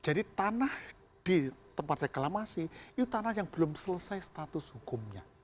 jadi tanah di tempat reklamasi itu tanah yang belum selesai status hukumnya